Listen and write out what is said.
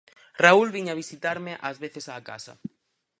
Raul viña a visitarme ás veces á casa.